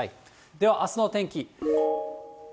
では、あすの天気。